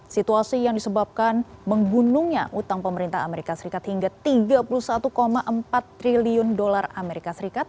situasi yang disebabkan menggunungnya utang pemerintah amerika serikat hingga tiga puluh satu empat triliun dolar amerika serikat